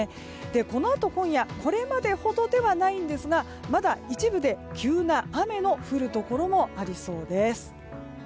このあと、今夜これまでほどではないんですがまだ一部で急な雨の降るところもありそうです。